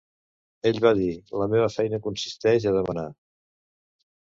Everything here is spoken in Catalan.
Ell va dir: La meva feina consisteix a demanar.